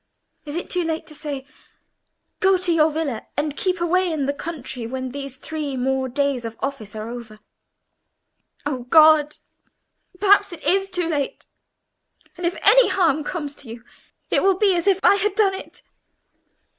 Is it too late to say, 'Go to your villa and keep away in the country when these three more days of office are over?' Oh God! perhaps it is too late! and if any harm comes to you, it will be as if I had done it!"